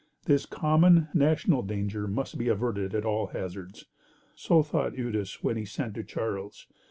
This common, national danger must be averted at all hazards. So thought Eudes when he sent to Charles.